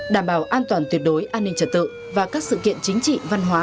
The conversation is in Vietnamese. đảm bảo an toàn tuyệt đối an ninh trật tự và các sự kiện chính trị văn hóa